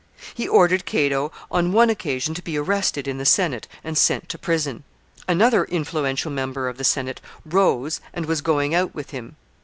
He ordered Cato on one occasion to be arrested in the Senate and sent to prison. Another influential member of the Senate rose and was going out with him.